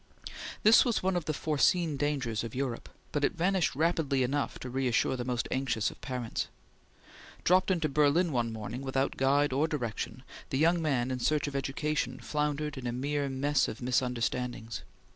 This was one of the foreseen dangers of Europe, but it vanished rapidly enough to reassure the most anxious of parents. Dropped into Berlin one morning without guide or direction, the young man in search of education floundered in a mere mess of misunderstandings.